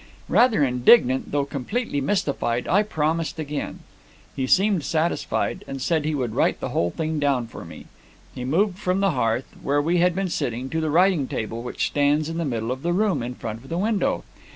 "Rather indignant, though completely mystified, I promised again. He seemed satisfied, and said he would write the whole thing down for me. He moved from the hearth, where we had been sitting, to the writing table, which stands in the middle of the room, in front of the window.